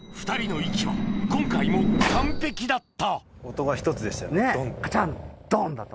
２人の息は今回も完璧だった音が１つでしたよねドン。